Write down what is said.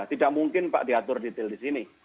tidak mungkin pak diatur detail di sini